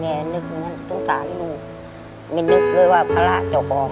แม่นึกงั้นต้องการให้ลูกไม่นึกเลยว่าภาระจะออกออก